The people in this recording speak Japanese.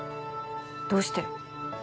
どうして？